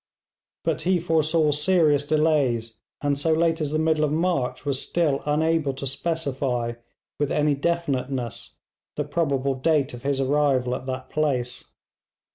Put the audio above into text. But he foresaw serious delays, and so late as the middle of March was still unable to specify with any definiteness the probable date of his arrival at that place.